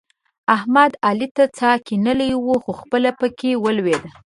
احمد؛ علي ته څا کنلې وه؛ خو خپله په کې ولوېد.